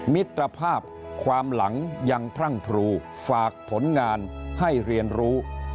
มิตรภาพความหลังยังพรั่งพรูฝากผลงานให้เรียนรู้